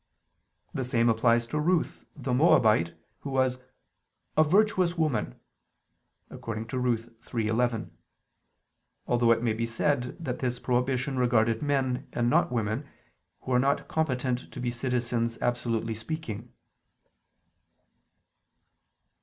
The same applies to Ruth the Moabite who was "a virtuous woman" (Ruth 3:11): although it may be said that this prohibition regarded men and not women, who are not competent to be citizens absolutely speaking.